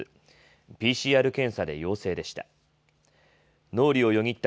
ＰＣＲ検査で陽性でした。